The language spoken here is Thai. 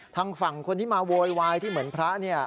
ทางฝั่งคนที่มาโวยวายที่เหมือนพระเนี่ย